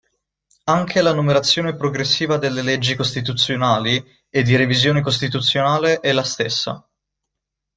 Anche la numerazione progressiva delle leggi costituzionali e di revisione costituzionale è la stessa.